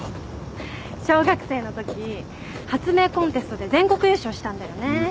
小学生のとき発明コンテストで全国優勝したんだよね。